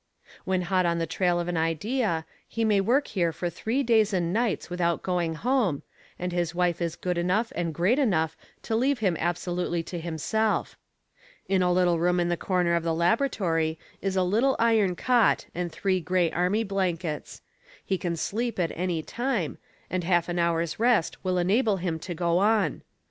When hot on the trail of an idea he may work here for three days and nights without going home, and his wife is good enough and great enough to leave him absolutely to himself. In a little room in the corner of the Laboratory is a little iron cot and three gray army blankets. He can sleep at any time, and half an hour's rest will enable him to go on.